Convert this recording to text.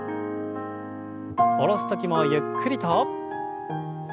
下ろす時もゆっくりと。